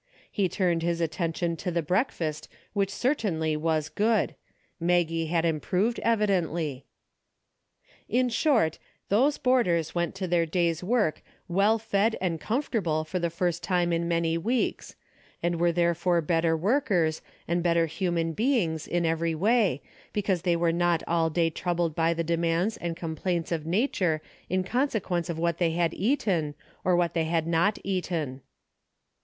He turned his attention to the breakfast Avhich certainly Avas good. Maggie had improved, evidently. 170 A DAILY BATE:'> In short, those boarders went to their day's work well fed and comfortable for the first time in many weeks, and were therefore bet ter workers, and better human beings in every way, because they were not all day troubled by the demands and complaints of nature in consequence of what they had eaten, or what they had not eaten.